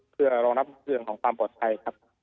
เพื่อรองรับเรื่องของความปลอดภัยครับ